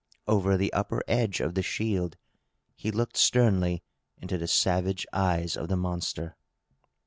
Over the upper edge of the shield, he looked sternly into the savage eyes of the monster.